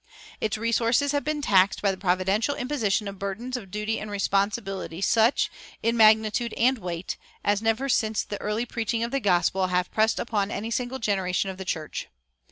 Its resources have been taxed by the providential imposition of burdens of duty and responsibility such, in magnitude and weight, as never since the early preaching of the gospel have pressed upon any single generation of the church.